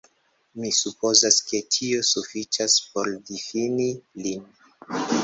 Mi supozas ke tio sufiĉas por difini lin".